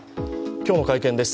今日の会見です。